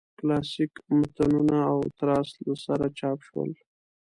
کلاسیک متنونه او تراث له سره چاپ شول.